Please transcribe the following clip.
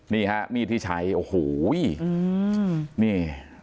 นี่ฮะมีดที่ใช้โอ้โหนี่